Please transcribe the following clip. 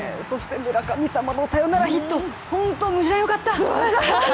村神様のサヨナラヒット、本当によかったです。